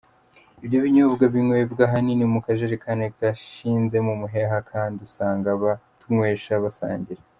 Ibyo binyobwa binywebwa ahanini mu kajerekani gashinzemo umuheha, kandi usanga abatunywesha basangira.